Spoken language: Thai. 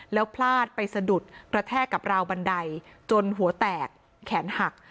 แล้วพลาดไปสะดุดกระแทกกับราวบันไดจนหัวแตกแขนหัก